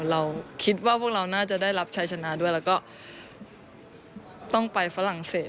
เราคิดว่าพวกเราน่าจะได้รับชัยชนะด้วยแล้วก็ต้องไปฝรั่งเศส